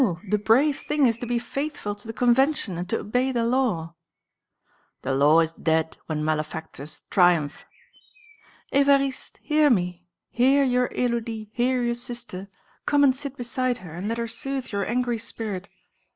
the brave thing is to be faithful to the Convention and to obey the Law." "The law is dead when malefactors triumph." "Évariste, hear me; hear your Élodie; hear your sister. Come and sit beside her and let her soothe your angry spirit."